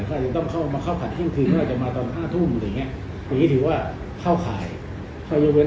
จะต้องเข้าขัดเช่นคืนเพราะว่าจะมาตอน๕ทุ่มหรืออย่างนี้อย่างนี้ถือว่าเข้าขายข้อยกเว้น